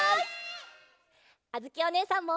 あづきおねえさんも！